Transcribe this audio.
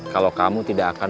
kalau kamu tidak akan